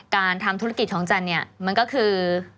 การทำธุรกิจของจันเนี่ยมันก็คือ